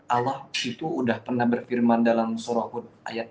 allah itu udah pernah berfirman dalam surah hut ayat